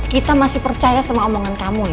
kita masih percaya sama omongan kamu